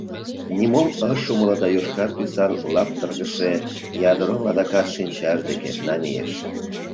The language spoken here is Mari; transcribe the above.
Нимом ыш умыло да йошкар тӱсан лаптыргыше ядром адакат шинчаж деке намийыш.